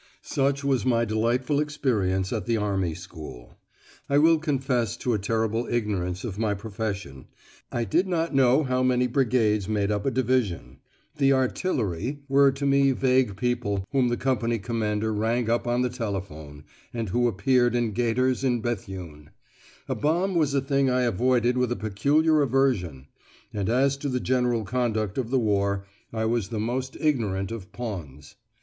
Such was my delightful experience at the Army School. I will confess to a terrible ignorance of my profession I did not know how many brigades made up a division; "the artillery" were to me vague people whom the company commander rang up on the telephone, and who appeared in gaiters in Béthune; a bomb was a thing I avoided with a peculiar aversion; and as to the general conduct of the war I was the most ignorant of pawns.